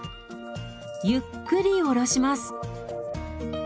ゆっくり下ろします。